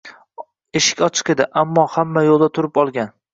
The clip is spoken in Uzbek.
Eshik ochiq edi, ammo hamma yo’lda turib olgan.